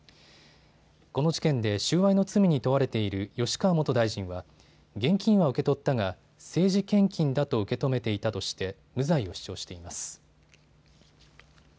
この事件で収賄の罪に問われている吉川元大臣は現金は受け取ったが政治献金だと受け止めていたとして無罪を主張しています。